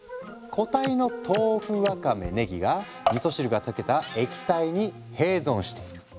固体の豆腐わかめねぎがみそ汁が溶けた液体に併存している。